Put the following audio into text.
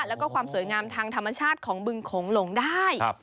แล้วก็ความสวยงามทางธรรมชาติของบึงโขงหลงได้